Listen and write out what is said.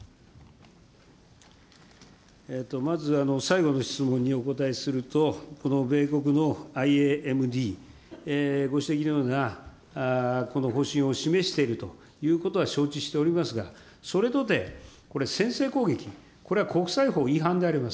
まず、最後の質問にお答えすると、この米国のＩＡＭＤ、ご指摘のような、この方針を示しているということは承知しておりますが、それとて、これ、先制攻撃、これは国際法違反であります。